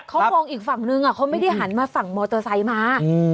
เขามองอีกฝั่งนึงเขาไม่ได้หันมาฝั่งมอเตอร์ไซค์มา